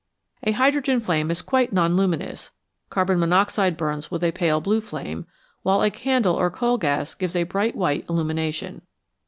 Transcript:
A hydrogen flame is quite non luminous, carbon monoxide burns with a pale blue flame, while a candle or coal gas gives a bright white illumination.